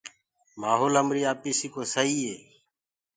مآهولَ همريٚ آپيٚسيٚ ڪو سهيٚ هي